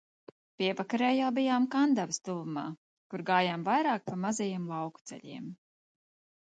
Pievakarē jau bijām Kandavas tuvumā, kur gājām vairāk pa mazajiem lauku ceļiem.